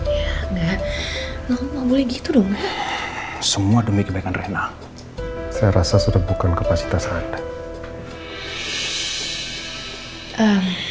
ya nggak boleh gitu dong semua demi kebaikan rena saya rasa sudah bukan kepacitas anda